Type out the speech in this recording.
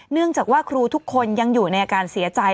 เนื่องจากว่าครูทุกคนยังอยู่ในอาการเสียใจ